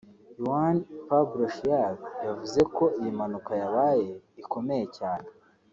Juan Pablo Schiavi yavuze ko iyi mpanuka yabaye ikomeye cyane